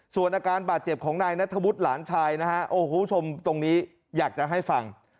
ส่วนอาการบาดเจ็บของนายนัทธวุฒิหลานชายนะฮะโอ้โหคุณผู้ชมตรงนี้อยากจะให้ฟัง